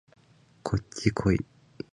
こっちこい